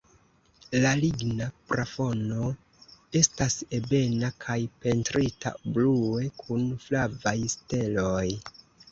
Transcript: La ligna plafono estas ebena kaj pentrita blue kun flavaj steloj.